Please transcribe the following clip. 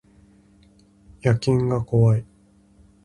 野犬が怖い